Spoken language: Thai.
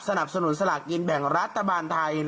สนับสนุนสลากกินแบ่งรัฐบาลไทย